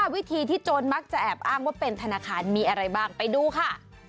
วิธีที่โจรมักจะแอบอ้างว่าเป็นธนาคารมีอะไรบ้างไปดูค่ะ